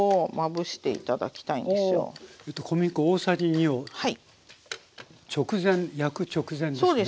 小麦粉大さじ２を直前焼く直前ですね。